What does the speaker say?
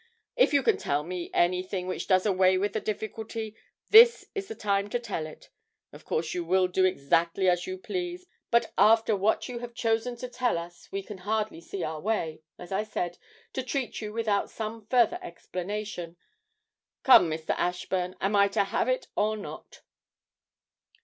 If you can tell me anything which does away with the difficulty, this is the time to tell it. Of course you will do exactly as you please, but after what you have chosen to tell us we can hardly see our way, as I said, to treat with you without some further explanation. Come, Mr. Ashburn, am I to have it or not?'